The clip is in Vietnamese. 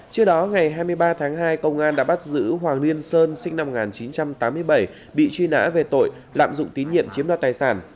trước đó ngày hai mươi ba tháng hai công an đã bắt giữ hoàng liên sơn sinh năm một nghìn chín trăm tám mươi bảy bị truy nã về tội lạm dụng tín nhiệm chiếm đoạt tài sản